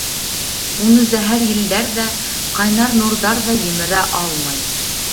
Уны зәһәр елдәр ҙә, ҡайнар нурҙар ҙа емерә алмай.